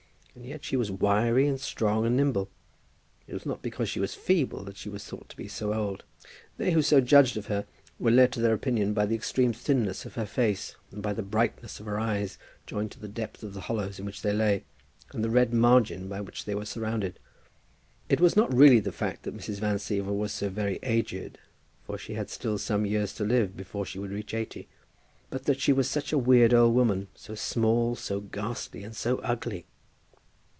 And yet she was wiry, and strong, and nimble. It was not because she was feeble that she was thought to be so old. They who so judged of her were led to their opinion by the extreme thinness of her face, and by the brightness of her eyes, joined to the depth of the hollows in which they lay, and the red margin by which they were surrounded. It was not really the fact that Mrs. Van Siever was so very aged, for she had still some years to live before she would reach eighty, but that she was such a weird old woman, so small, so ghastly, and so ugly!